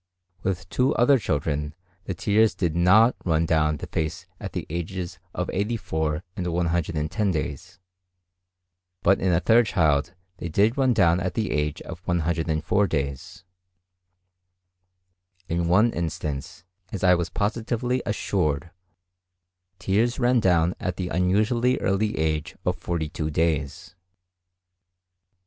With two other children, the tears did NOT run down the face at the ages of 84 and 110 days; but in a third child they did run down at the age of 104 days. In one instance, as I was positively assured, tears ran down at the unusually early age of 42 days.